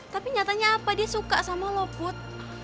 tapi nyatanya apa dia suka sama lo put